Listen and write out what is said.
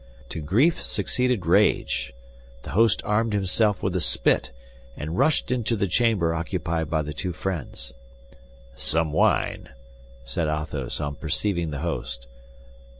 To grief succeeded rage. The host armed himself with a spit, and rushed into the chamber occupied by the two friends. "Some wine!" said Athos, on perceiving the host.